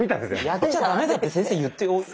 やっちゃダメだって先生言って。